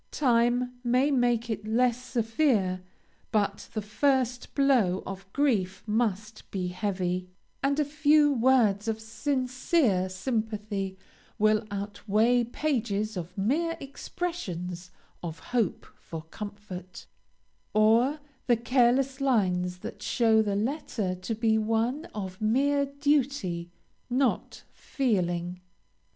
Time may make it less severe, but the first blow of grief must be heavy, and a few words of sincere sympathy will outweigh pages of mere expressions of hope for comfort, or the careless lines that show the letter to be one of mere duty, not feeling.